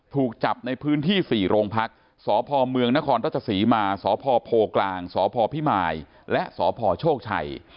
ถูกจับในพื้นที่๔โรงพักษ์สพเมืองนครราชศรีมาสพโพกลางสพพิมายและสพโชคชัย